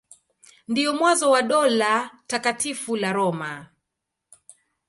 Ndio mwanzo wa Dola Takatifu la Roma.